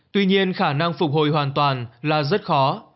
tuy nhiên khả năng phục hồi hoàn toàn là rất khó